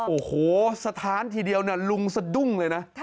โอ้โหสถานทีเดียวลุงสะดุ้งเลยนะ